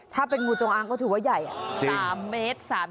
ถ้าเป็นงูจงอ้างก็ถือว่าใหญ่๓เมตร๓๔เซนติเมตร